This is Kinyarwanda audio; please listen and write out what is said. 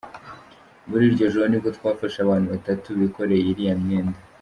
Muri iryo joro nibwo twafashe abantu batatu bikoreye iriya myenda”.